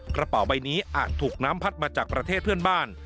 กระเป๋าใบนี้อาจถูกน้ำพัดมาจากประเทศเพื่อนบ้าน